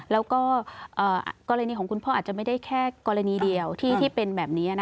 แล้วก็กรณีของคุณพ่ออาจจะไม่ได้แค่กรณีเดียวที่เป็นแบบนี้